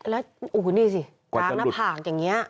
แล้วโอ้โหนี่สิล้างหน้าผากอย่างนี้